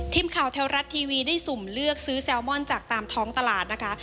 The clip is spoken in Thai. ทีมข่าวแท้รัฐทีวีได้สุ่มเลือกซื้อแซลมอนจากตามท้องตลาดนะคะ